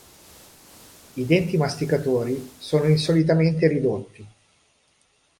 I denti masticatori sono insolitamente ridotti.